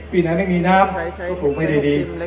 ปีไหนไม่มีน้ำก็ปลูกไม่ได้ดี